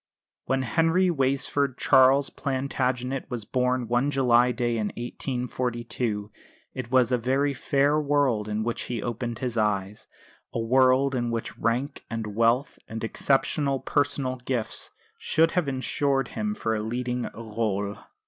When Henry Weysford Charles Plantagenet was born one July day in 1842 it was a very fair world on which he opened his eyes, a world in which rank and wealth and exceptional personal gifts should have ensured for him a leading rôle.